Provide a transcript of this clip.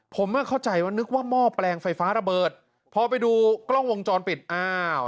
ผมอ่ะเข้าใจว่านึกว่าหม้อแปลงไฟฟ้าระเบิดพอไปดูกล้องวงจรปิดอ้าว